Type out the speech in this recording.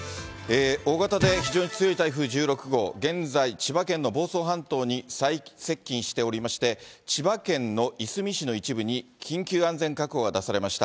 大型で非常に強い台風１６号、現在、千葉県の房総半島に最接近しておりまして、千葉県のいすみ市の一部に緊急安全確保が出されました。